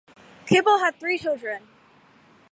Kibble had three children.